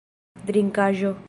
drinkaĵo